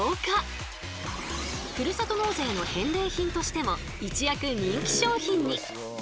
ふるさと納税の返礼品としても一躍人気商品に。